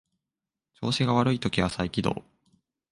調子が悪い時は再起動